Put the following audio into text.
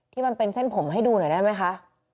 มันเป็นเส้นผมให้ดูหน่อยได้ไหมคะ